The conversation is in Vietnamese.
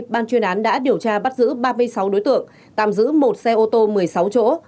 ban chuyên án đã điều tra bắt giữ ba mươi sáu đối tượng tạm giữ một xe ô tô một mươi sáu chỗ